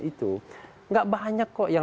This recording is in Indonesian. itu enggak banyak kok yang